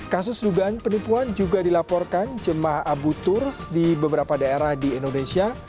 kasus dugaan penipuan juga dilaporkan jemaah abu turs di beberapa daerah di indonesia